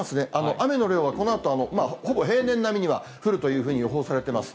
雨の量はこのあとほぼ平年並みには降るというふうに予報されてます。